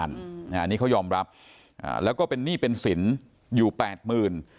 อันนี้เขายอมรับแล้วก็เป็นหนี้เป็นสินอยู่แปดหมื่น